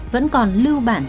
vẫn còn lưu bản